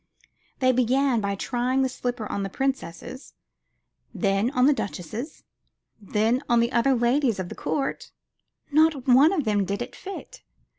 They began by trying the slipper on the princesses, then on the duchesses, and then on the other ladies of the court; not one of them did it fit.